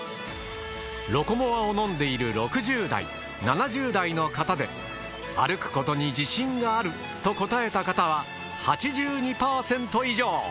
ロコモアを飲んでいる６０代７０代の方で歩くことに自信があると答えた方は８２％以上。